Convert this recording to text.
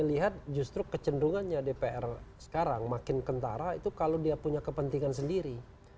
saya lihat justru kecenderungannya dpr sekarang makin kentara itu kalau dia punya kepentingan sendiri